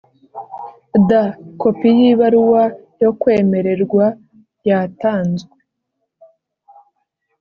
D kopi y ibaruwa yo kwemererwa yatanzwe